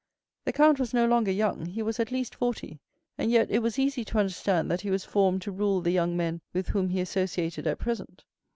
The count was no longer young. He was at least forty; and yet it was easy to understand that he was formed to rule the young men with whom he associated at present.